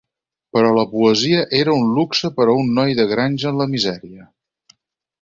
Però la poesia era un luxe per a un noi de granja en la misèria.